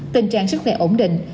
tình trạng rất là ổn định